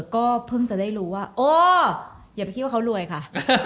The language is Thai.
ก็เพิ่งจะได้รู้ว่าอ๋ออย่าไปคิดว่าเขารวยค่ะ